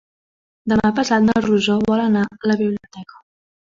Demà passat na Rosó vol anar a la biblioteca.